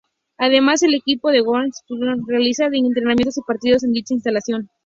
Además, el equipo de waterpolo Picornell realiza entrenamientos y partidos en dicha instalación.